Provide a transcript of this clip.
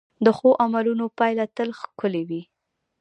د ښو عملونو پایله تل ښکلې وي.